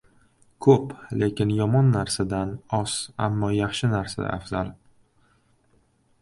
• Ko‘p, lekin yomon narsadan, oz, ammo yaxshi narsa afzal.